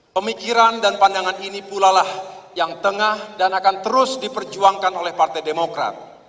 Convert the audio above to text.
pemikiran dan pandangan ini pula lah yang tengah dan akan terus diperjuangkan oleh partai demokrat